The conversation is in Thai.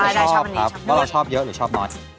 ชอบครับว่าเราชอบเยอะหรือชอบน้อย